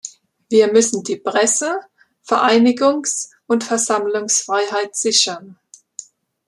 Wir müssen die Presse-, Vereinigungs- und Versammlungsfreiheit sichern.